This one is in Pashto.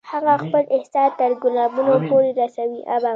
هغه خپل احساس تر ګلابونو پورې رسوي